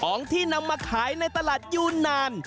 ของที่นำมาขายในตลาดยูนาน